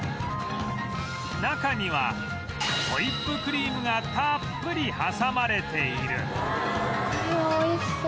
中にはホイップクリームがたっぷり挟まれている